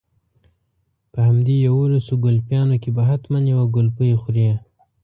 په همدې يوولسو ګلپيانو کې به حتما يوه ګلپۍ خورې.